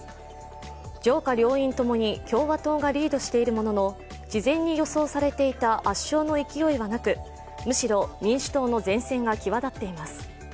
上下両院ともに共和党がリードしているものの事前に予想されていた圧勝の勢いはなくむしろ民主党の善戦が際立っています。